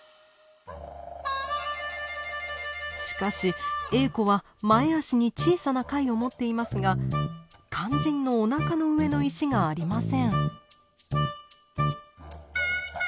しかしエーコは前足に小さな貝を持っていますが肝心のおなかの上の石がありません。